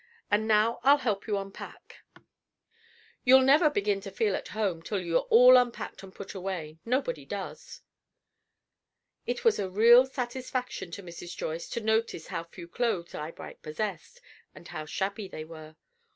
And now I'll help you unpack. You'll never begin to feel at home till you're all unpacked and put away. Nobody does." It was a real satisfaction to Mrs. Joyce to notice how few clothes Eyebright possessed, and how shabby they were.